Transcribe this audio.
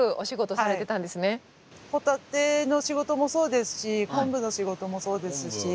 ホタテの仕事もそうですし昆布の仕事もそうですし。